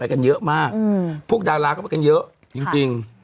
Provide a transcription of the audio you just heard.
แฟกกันเยอะมากพวกดารากก็ไปกันเยอะจริงจริง